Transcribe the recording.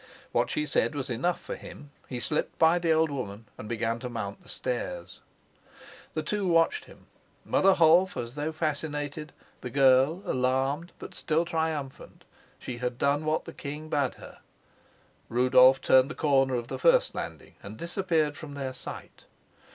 What she said was enough for him. He slipped by the old woman and began to mount the stairs. The two watched him, Mother Holf as though fascinated, the girl alarmed but still triumphant: she had done what the king bade her. Rudolf turned the corner of the first landing and disappeared from their sight.